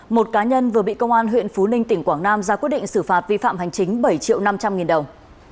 một cá nhân vừa bị công an huyện phú ninh tỉnh quảng nam ra quyết định xử phạt vi phạm hành chính bảy triệu năm trăm linh nghìn đồng